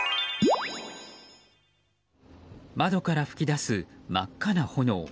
窓から噴き出す真っ赤な炎。